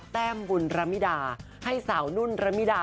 แต้มบุญระมิดาให้สาวนุ่นระมิดา